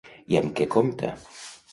I amb què compta?